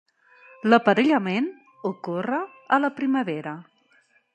L'aparellament ocorre a la primavera.